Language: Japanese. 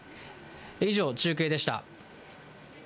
以上、中継でした。